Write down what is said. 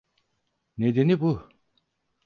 Nedeni bu.